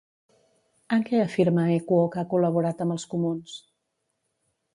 En què afirma Equo que ha col·laborat amb els comuns?